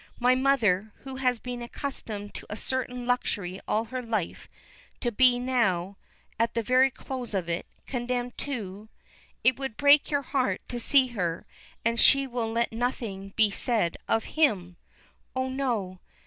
"My mother, who has been accustomed to a certain luxury all her life, to be now, at the very close of it, condemned to It would break your heart to see her. And she will let nothing be said of him." "Oh, no."